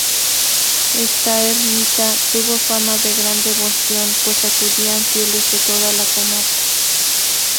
Esta ermita tuvo fama de gran devoción, pues acudían fieles de toda la comarca.